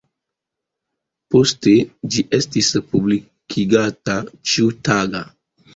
Poste ĝi estis publikigata ĉiutaga.